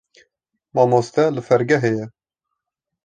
Mamoste li fêrgehê ye.